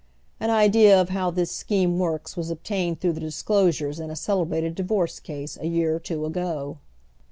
An idea of how this scheme works was obtained through the disclosures in a celebrated divorce ease, a year or two ago.